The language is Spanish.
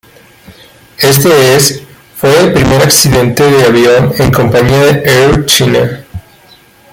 Este es fue el primer accidente de avión en compañía de Air China.